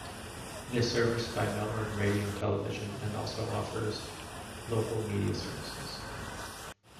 It is serviced by Melbourne radio and Television, and also offers local media services.